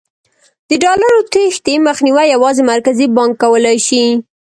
د ډالرو تېښتې مخنیوی یوازې مرکزي بانک کولای شي.